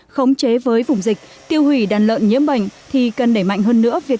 khống chế với vùng dịch tiêu hủy đàn lợn nhiễm bệnh thì cần nảy mạnh hơn nữa việc